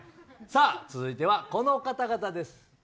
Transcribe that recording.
続いてはこの方々です。